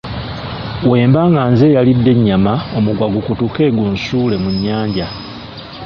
Wemba nga nze eyalidde ennyama , omuguwa kagukutuke gu nsuule mu nnyanja.